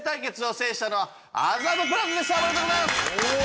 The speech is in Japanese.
おめでとうございます！